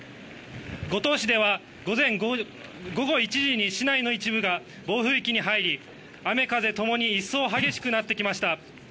五島市では午後１時に市内の一部が暴風域に入り雨風ともに一層激しくなってきました。